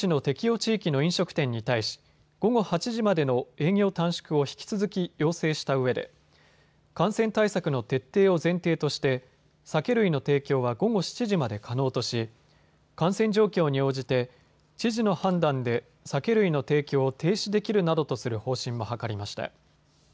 地域の飲食店に対し午後８時までの営業短縮を引き続き要請したうえで感染対策の徹底を前提として酒類の提供は午後７時まで可能とし、感染状況に応じて知事の判断で酒類の提供を停止できるなどとする方針も諮りました。